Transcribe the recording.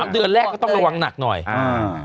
เดือนแรกก็ต้องระวังหนักหน่อยอ่า